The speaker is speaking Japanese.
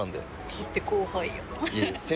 だって後輩やん。